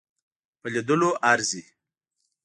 په لیدلو ارزي.